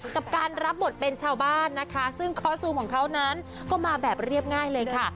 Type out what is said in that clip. กับการรับบทเป็นชาวบ้านนะคะซึ่งคอสซูมของเขานั้นก็มาแบบเรียบง่ายเลยค่ะ